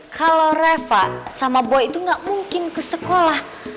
kalau reva sama boy itu gak mungkin ke sekolah